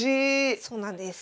そうなんです。